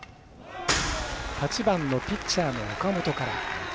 ８番のピッチャーの岡本から。